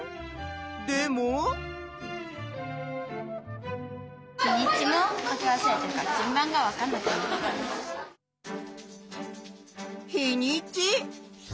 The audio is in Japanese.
でも？日にち？